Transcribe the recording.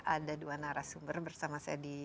ada dua narasumber bersama saya di